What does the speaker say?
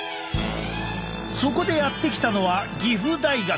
そこでやって来たのは岐阜大学。